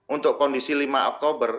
untuk kondisi lima oktober